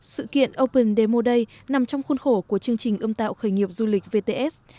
sự kiện open demo day nằm trong khuôn khổ của chương trình ươm tạo khởi nghiệp du lịch vts